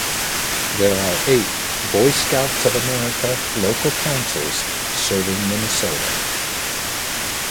There are eight Boy Scouts of America local councils serving Minnesota.